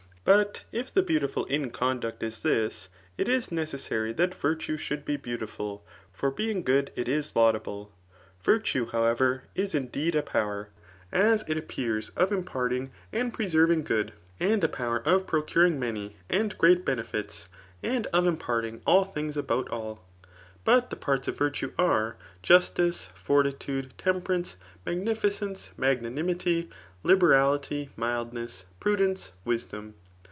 But if the beautiful in conduct is this, it is necessary that virtue should be beau tiful; for being good it is laudable. Virtue, however, is indeed a power, as it appears of imparting and pre serving good : and a power of jMrocuring many and great CUAP» IX. RHSTORIC. ifl bmtAtSy afid of intparting dl things about all But tlHb parts of virtue are, justke, fortitude, temperance, mag oificence, magnanimity, liberality, mildness, prudence^ imlom.